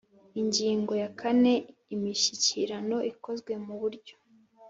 Ingingo ya kane Imishyikirano ikozwe mu buryo